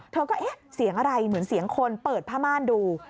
เธอก็เอ๊ะเสียงอะไรเหมือนเสียงคนเปิดผ้าม่านดู